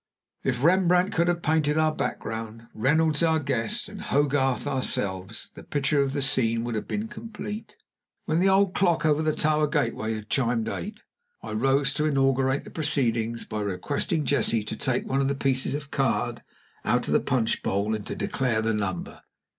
If Rembrandt could have painted our background, Reynolds our guest, and Hogarth ourselves, the picture of the scene would have been complete. When the old clock over the tower gateway had chimed eight, I rose to inaugurate the proceedings by requesting Jessie to take one of the pieces of card out of the punch bowl, and to declare the number.